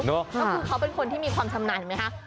ก็คือเขาเป็นคนที่มีความชำนาญเห็นไหมคะ